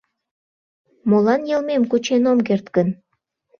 — Молан йылмем кучен ом керт гын?